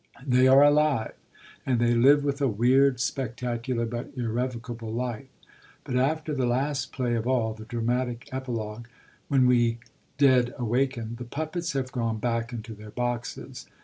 They are alive, and they live with a weird, spectacular, but irrevocable life. But, after the last play of all, the dramatic epilogue, When we Dead Awaken, the puppets have gone back into their boxes.